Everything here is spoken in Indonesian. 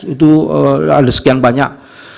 itu ada sekian banyak